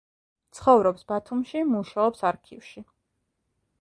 ცხოვრობს ბათუმში, მუშაობს არქივში.